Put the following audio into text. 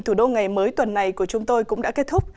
thủ đô ngày mới tuần này của chúng tôi cũng đã kết thúc